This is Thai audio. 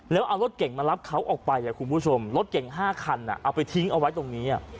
เลยเอารถเก่งมารับเขาออกไปลดเก่ง๕คันเอาไว้ทิ้งไว้